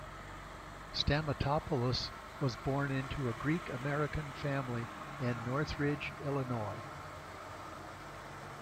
Stamatopoulos was born into a Greek-American family in Norridge, Illinois.